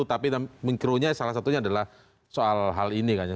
tapi mengkru nya salah satunya adalah soal hal ini kan ya